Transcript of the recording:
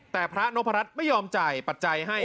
แต่พระนพรัชไม่ยอมจ่ายปัจจัยให้